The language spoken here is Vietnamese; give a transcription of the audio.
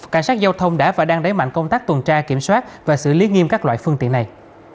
cảnh sát giao thông đã và đang đẩy mạnh công tác tuần tra kiểm soát và xử lý nghiêm các loại phương tiện này